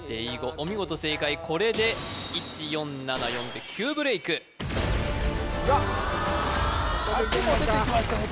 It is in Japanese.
お見事正解これで１４７４で９ブレイク書きも出てきましたね